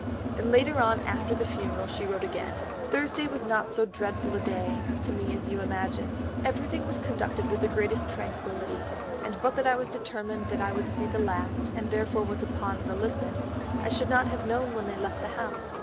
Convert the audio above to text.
And later on after the funeral she wrote again, "Thursday was not so dreadful a day to me as you imagined.... Everything was conducted with the greatest tranquillity, and but that I was determined that I would see the last, and therefore was upon the listen, I should not have known when they left the house.